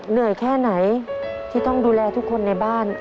เหนื่อยแค่ไหนที่ต้องดูแลทุกคนในบ้าน